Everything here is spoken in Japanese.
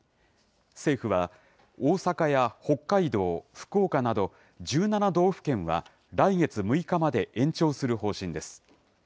政府は大阪や北海道、福岡など１７道府県は、来月６日まで延長する方針です。